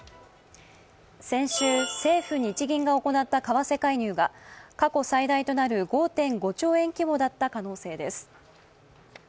先週、政府・日銀が行った為替介入が過去最大となる５．５兆円規模だった可能性です。